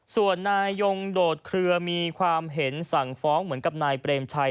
ส่วนนายยงโดดเคลือมีความเห็นสั่งฟ้องเหมือนกับนายเปรมชัย